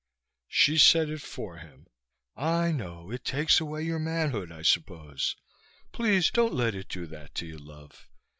She said it for him. "I know. It takes away your manhood, I suppose. Please don't let it do that to you, love.